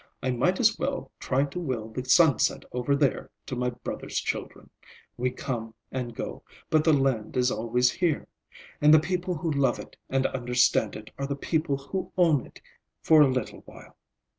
I might as well try to will the sunset over there to my brother's children. We come and go, but the land is always here. And the people who love it and understand it are the people who own it—for a little while."